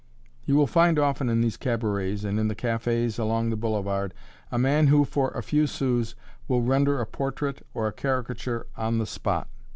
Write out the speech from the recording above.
You will find often in these cabarets and in the cafés and along the boulevard, a man who, for a few sous, will render a portrait or a caricature on the spot.